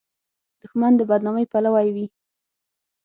دښمن د بد نامۍ پلوی وي